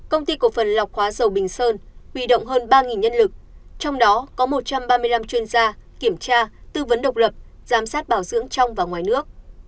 công ty cổ phần lọc hóa dầu bình sơn huy động hơn ba nhân lực trong đó có một trăm ba mươi năm chuyên gia kiểm tra tư vấn độc lập giám sát bảo dưỡng trong và ngoài nước